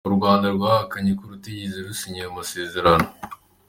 U Rwanda rwahakanye ko rutigeze rusinya ayo masezerano.